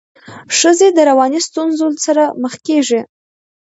ښځي د رواني ستونزو سره مخ کيږي.